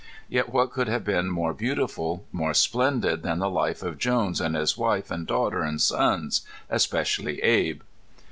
Yet what could have been more beautiful, more splendid than the life of Jones, and his wife, and daughter, and sons, especially Abe?